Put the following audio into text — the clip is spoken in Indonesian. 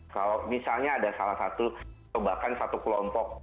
kalau misalnya ada salah satu atau bahkan satu kelompok